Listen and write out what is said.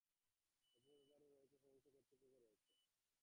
অথচ এ ব্যাপারে আইন রয়েছে, সুনির্দিষ্ট কর্তৃপক্ষও রয়েছে।